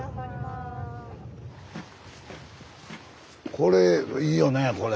これいいよねこれ。